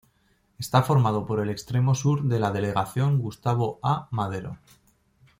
Está formado por el extremo sur de la Delegación Gustavo A. Madero.